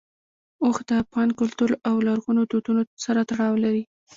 اوښ د افغان کلتور او لرغونو دودونو سره تړاو لري.